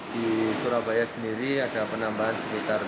di surabaya sendiri ada penambahan sekitar tiga puluh delapan